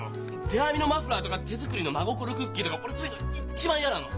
手編みのマフラーとか手作りの真心クッキーとか俺そういうの一番嫌なの！